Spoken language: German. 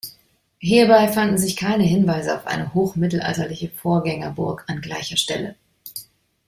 Hierbei fanden sich keine Hinweise auf eine hochmittelalterliche Vorgängerburg an gleicher Stelle.